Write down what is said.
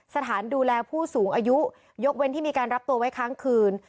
สถานดูแลผู้สูงอายุยกเว้นที่มีการรับตัวไว้ค้างคืน